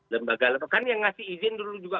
lembaga lembaga kan yang ngasih izin dulu juga